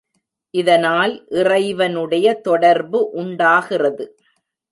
இதனால் இறைவனுடைய தொடர்பு உண்டாகிறது.